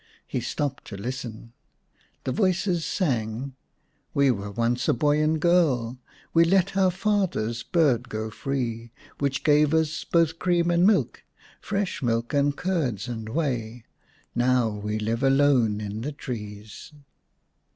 He stopped to listen. The voices sang :" We were once a boy and girl ; We let our father's bird go free Which gave us both cream and milk, Fresh milk, and curds and whey. Now we live alone in the trees."